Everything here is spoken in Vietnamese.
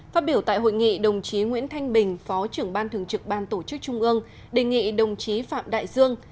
phát biểu tại hội nghị đồng chí nguyễn thanh bình phó trưởng ban thường trực ban tổ chức trung ương đề nghị đồng chí phạm đại dương